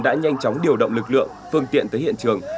đã nhanh chóng điều động lực lượng phương tiện tới hiện trường